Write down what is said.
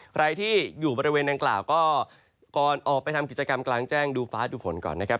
ใครที่อยู่บริเวณดังกล่าวก็ก่อนออกไปทำกิจกรรมกลางแจ้งดูฟ้าดูฝนก่อนนะครับ